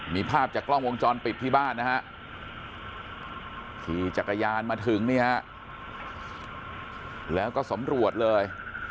มีภาพจากกล้องวงจรปิดที่บ้านนะฮะขี่จักรยานมาถึงนี่ฮะแล้วก็สำรวจเลย